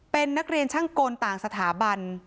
เป็นนักเรียนช่างกลต่างสถาบัน